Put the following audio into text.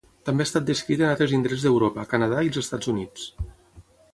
També ha estat descrita en altres indrets d'Europa, Canadà i els Estats Units.